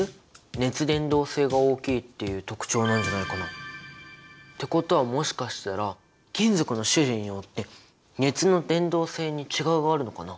「熱伝導性が大きい」っていう特徴なんじゃないかな？ってことはもしかしたら金属の種類によって熱の伝導性に違いがあるのかな？